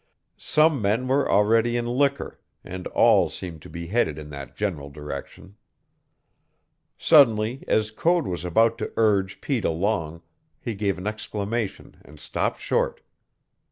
Some men were already in liquor, and all seemed to be headed in that general direction. Suddenly, as Code was about to urge Pete along, he gave an exclamation and stopped short.